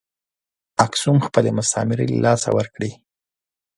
اکسوم خپلې مستعمرې له لاسه ورکړې.